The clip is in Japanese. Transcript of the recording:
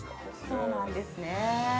◆そうなんですね。